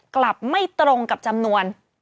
กลับไม่ตรงกับจำนวน